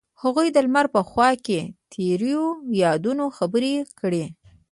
هغوی د لمر په خوا کې تیرو یادونو خبرې کړې.